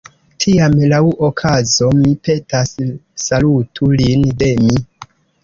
Tiam, laŭ okazo, mi petas, salutu lin de mi.